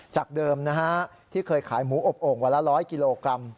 จากเดิมนะฮะที่เคยขายหมูอบโอ่งวันละ๑๐๐กิโลกรัม